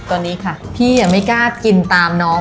ฉันอยากไม่กล้ากินตามน้อง